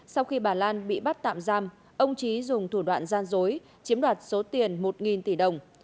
sau khi bà lan bị bắt tạm giam ông trí dùng thủ đoạn gian dối chiếm đoạt số tiền một tỷ đồng